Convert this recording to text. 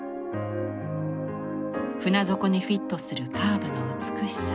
船底にフィットするカーブの美しさ。